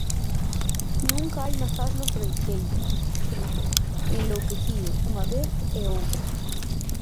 _Nunca hai mazás no froiteiro _grito, enlouquecido, unha vez e outra.